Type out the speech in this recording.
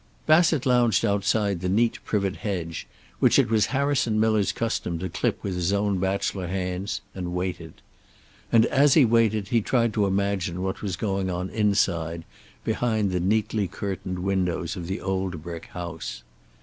XI Bassett lounged outside the neat privet hedge which it was Harrison Miller's custom to clip with his own bachelor hands, and waited. And as he waited he tried to imagine what was going on inside, behind the neatly curtained windows of the old brick house.